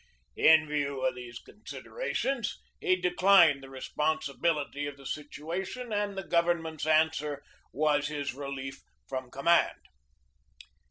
In view of these considerations he declined the re sponsibility of the situation, and the government's answer was his relief from command.